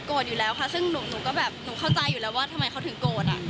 โกรธอยู่แล้วค่ะหนูเข้าใจอยู่แล้วว่าทำไมเขาถึงโกรธ